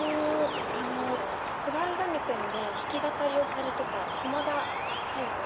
あの津軽三味線で弾き語りをされてた駒田早代さん。